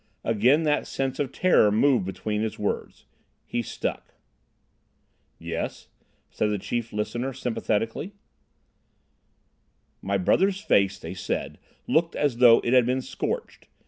Again that sense of terror moved between his words. He stuck. "Yes," said the chief listener sympathetically. "My brother's face, they said, looked as though it had been scorched.